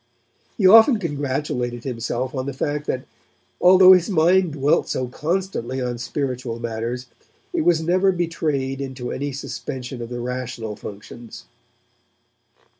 He often congratulated himself on the fact that although his mind dwelt so constantly on spiritual matters it was never betrayed into any suspension of the rational functions.